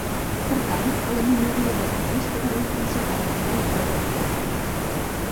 Pertany a la minoria dels bubis que viuen principalment a l'illa de Bioko.